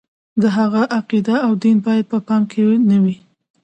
د هغه عقیده او دین باید په پام کې نه وي.